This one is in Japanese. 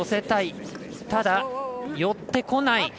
ただ、寄ってこない。